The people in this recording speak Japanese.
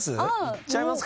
いっちゃいますか。